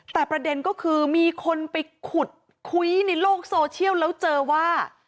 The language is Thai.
แต่ประเด็นก็คือมีคนไปขุดคุยในโลกโซเชียลแล้วเจอว่า